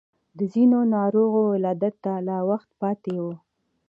د ځينو د ناروغ ولادت ته لا وخت پاتې و.